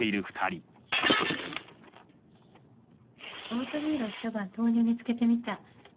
オートミールをひと晩豆乳につけてみた。